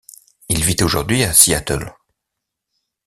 Il vit aujourd’hui à Seattle.